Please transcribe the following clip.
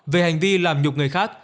về hành vi làm nhục người khác